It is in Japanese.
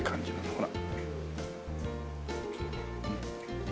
ほら。